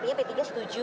artinya p tiga setuju